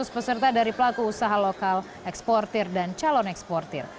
lima ratus peserta dari pelaku usaha lokal eksportir dan calon eksportir